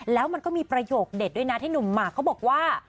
แล้วมันก็มีประโยคเด็ดด้วยนะที่หนุ่มหมากเขาบอกว่า